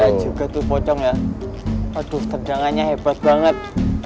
ada juga tuh pocong ya aduh tendangannya hebat banget